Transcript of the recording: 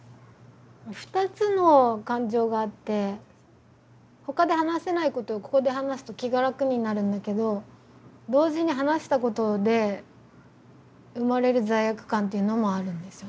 ２つの感情があってほかで話せないことをここで話すと気が楽になるんだけど同時に話したことで生まれる罪悪感っていうのもあるんですよね。